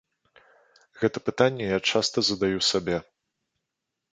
Гэта пытанне я часта задаю сабе.